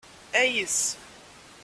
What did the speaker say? Ayes.